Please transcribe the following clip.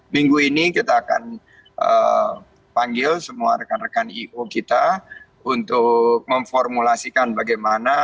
minggu ini kita akan panggil semua rekan rekan i o kita untuk memformulasikan bagaimana